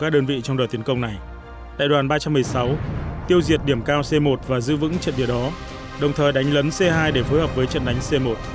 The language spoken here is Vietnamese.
đại đoàn ba trăm một mươi sáu tiêu diệt điểm cao c một và giữ vững trận địa đó đồng thời đánh lấn c hai để phối hợp với trận đánh c một